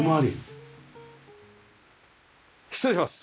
失礼します。